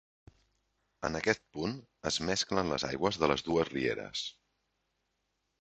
En aquest punt, es mesclen les aigües de les dues rieres.